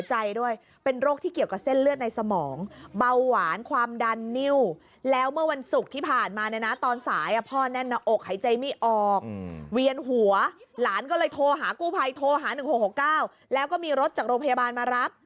หากู้ภัยโทรหา๑๖๖๙แล้วก็มีรถจากโรงพยาบาลมารับ